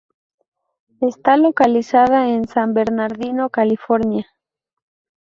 Está localizada en en San Bernardino, California.